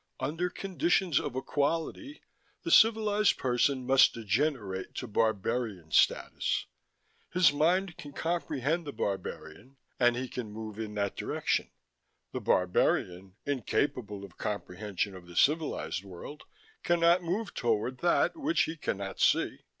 Under conditions of equality, the civilized person must degenerate to barbarian status: his mind can comprehend the barbarian, and he can move in that direction. The barbarian, incapable of comprehension of the civilized world, cannot move toward that which he cannot see.